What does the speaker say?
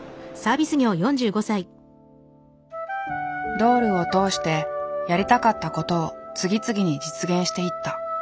ドールを通してやりたかったことを次々に実現していった。